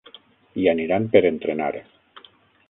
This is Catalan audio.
Hi aniran per entrenar.